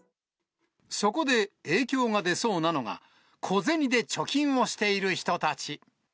そこで、影響が出そうなのが、小銭で貯金をしている人たち。